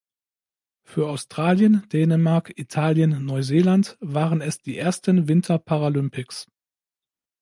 Für Australien, Dänemark, Italien, Neuseeland waren es die ersten Winter-Paralympics.